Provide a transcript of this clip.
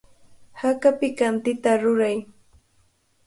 Haka pikantita ruray.